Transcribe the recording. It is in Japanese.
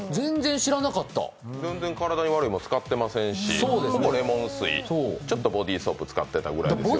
体に悪いもん使ってませんし、レモン水、ちょっとボディソープ使ってたぐらいでしたね。